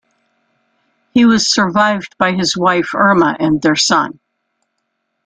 He was survived by his wife Erma and their son.